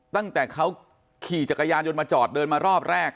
ตั้งแต่เขาขี่จักรยานยนต์มาจอดเดินมารอบแรก